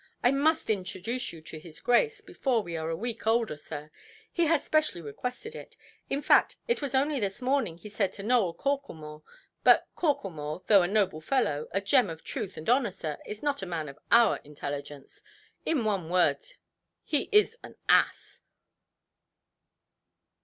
I must introduce you to his Grace, before you are a week older, sir; he has specially requested it. In fact, it was only this morning he said to Nowell Corklemore—but Corklemore, though a noble fellow, a gem of truth and honour, sir, is not a man of our intelligence; in one word, he is an ass"!